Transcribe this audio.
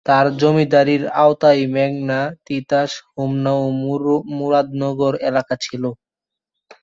তার জমিদারীর আওতায় মেঘনা, তিতাস, হোমনা ও মুরাদনগর এলাকা ছিল।